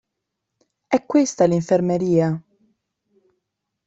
È questa l'infermeria!